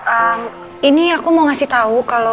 ee ini aku mau ngasih tau kalo